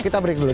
kita break dulu